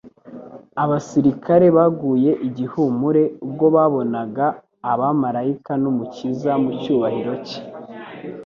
Abasirikare baguye igihumure, ubwo babonaga abamaraika n'Umukiza mu cyubahiro cye.